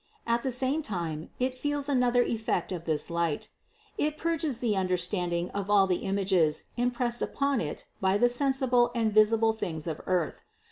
At the same time it feels another effect of this light : it purges the understanding of all the images impressed upon it by the sensible and visible things of earth.